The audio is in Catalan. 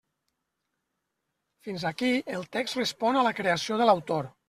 Fins aquí el text respon a la creació de l'autor.